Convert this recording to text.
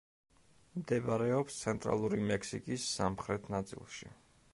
მდებარეობს ცენტრალური მექსიკის სამხრეთ ნაწილში.